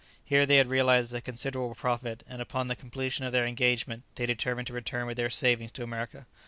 Here they had realized a considerable profit, and upon the completion of their engagement they determined to return with their savings to America.